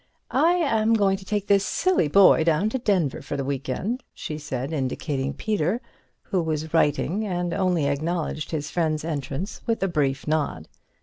"I am going to take this silly boy down to Denver for the week end," she said, indicating Peter, who was writing and only acknowledged his friend's entrance with a brief nod.